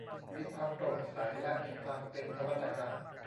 มีความโปร่งใส และมีความเป็นนวัตกรรม